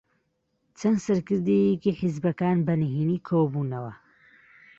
چەند سەرکردەیەکی حیزبەکان بەنهێنی کۆبوونەوە.